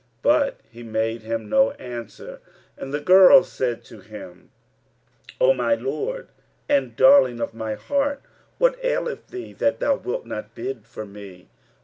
But he made him no answer, and the girl said to him, "O my lord and darling of my heart, what aileth thee that thou wilt not bid for me?